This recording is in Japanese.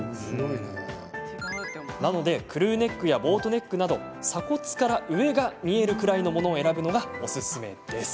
なので、クルーネックやボートネックなど鎖骨から上が見えるくらいのものを選ぶのがおすすめです。